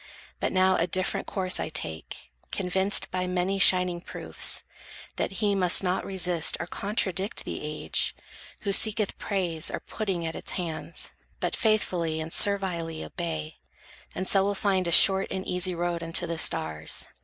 But now a different course I take, Convinced by many shining proofs, that he Must not resist or contradict the age, Who seeketh praise or pudding at its hands, But faithfully and servilely obey; And so will find a short and easy road Unto the stars.